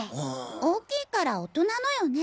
大きいから大人のよね。